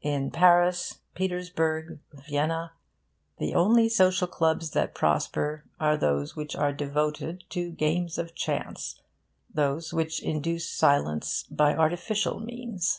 In Paris, Petersburg, Vienna, the only social clubs that prosper are those which are devoted to games of chance those which induce silence by artificial means.